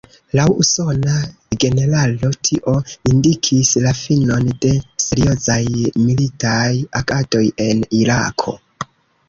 Laŭ usona generalo tio indikis la finon de seriozaj militaj agadoj en Irako.